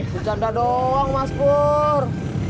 bercanda doang mas pur